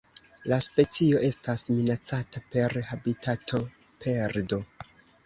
La specio estas minacata per habitatoperdo.